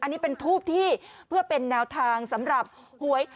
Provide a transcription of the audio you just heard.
อันนี้เป็นทูบที่เพื่อเป็นแนวทางสำหรับหวย